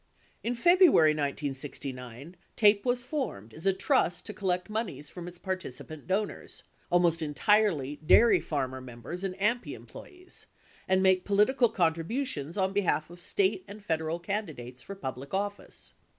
10 In February 1969, TAPE was formed as a trust to collect moneys from its participant donors — almost entirely dairy farmer members and AMPI employees — and make political contributions on behalf of State and Federal candidates for public office.